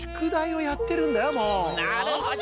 なるほど！